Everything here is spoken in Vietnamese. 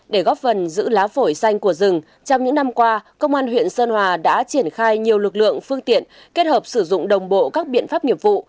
trong những năm qua công an huyện sơn hòa đã triển khai nhiều lực lượng phương tiện kết hợp sử dụng đồng bộ các biện pháp nghiệp vụ